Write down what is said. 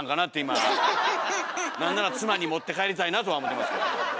なんなら妻に持って帰りたいなとは思ってますけど。